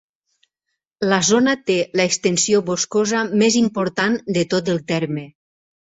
La zona té l'extensió boscosa més important de tot el terme.